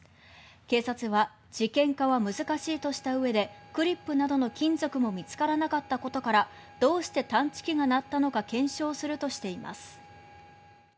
警察は事件化は難しいとしたうえでクリップなどの金属も見つからなかったことからどうして探知機が鳴ったのか検証するとしています。